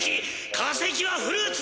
化石はフルーツだ！